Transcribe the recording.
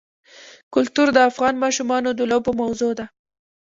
کلتور د افغان ماشومانو د لوبو موضوع ده.